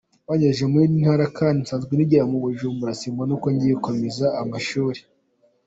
Banyohereje mu yindi ntara kandi nsanzwe nigira mu Bujumbura, simbona uko ngiye kugomeza amashuri”.